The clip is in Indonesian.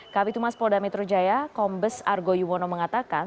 kabitumas polda metro jaya kombes argo yuwono mengatakan